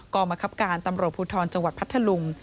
กรรมคับการตำรวจภูทรจังหวัดพัทธลุง